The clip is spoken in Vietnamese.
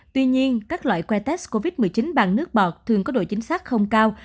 tuy nhiên các loại que test covid một mươi chín bằng nước bọt thường có độ chính xác không cao